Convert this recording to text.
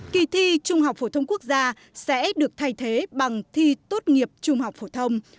kỳ thi trung học phổ thông quốc gia sẽ được thay thế bằng thi tốt nghiệp trung học phổ thông